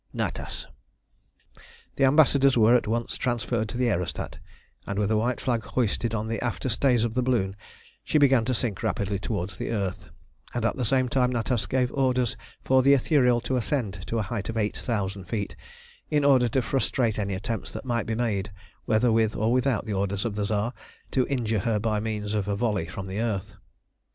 NATAS. The ambassadors were at once transferred to the aerostat, and with a white flag hoisted on the after stays of the balloon she began to sink rapidly towards the earth, and at the same time Natas gave orders for the Ithuriel to ascend to a height of eight thousand feet in order to frustrate any attempts that might be made, whether with or without the orders of the Tsar, to injure her by means of a volley from the earth.